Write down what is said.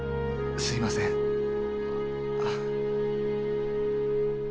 すいませんあっ。